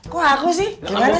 kok harus sih gimana sih